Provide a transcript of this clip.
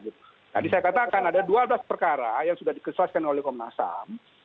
tadi saya katakan ada dua belas perkara yang sudah dikesuaikan oleh komnas ham